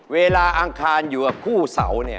อังคารอยู่กับคู่เสาเนี่ย